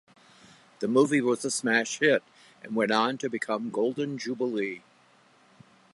The movie was a smash hit and went on to become Golden Jubilee.